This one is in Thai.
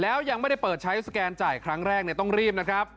แล้วยังไม่ได้เปิดใช้สแกนจ่ายครั้งแรกต้องรีบนะครับ